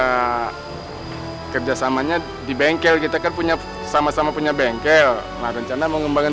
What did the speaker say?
hai kerjasamanya di bengkel kita kan punya sama sama punya bengkel rencana mengembangkan